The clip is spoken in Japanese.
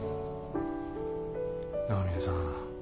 長嶺さん